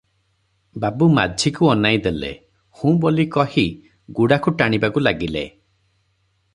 ବାବୁ ମାଝିକୁ ଅନାଇ ଦେଲେ - 'ହୁଁ' ବୋଲି କହି ଗୁଡାଖୁ ଟାଣିବାକୁ ଲାଗିଲେ ।